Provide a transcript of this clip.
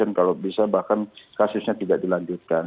dan kalau bisa bahkan kasusnya tidak dilanjutkan